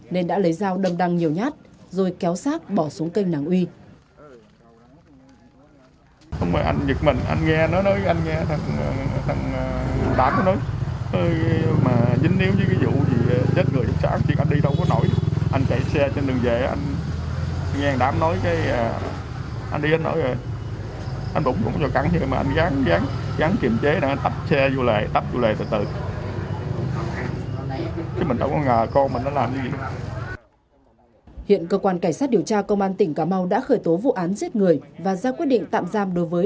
nên đã lấy dao đâm đăng nhiều nhát rồi kéo xác bỏ xuống cây nàng uy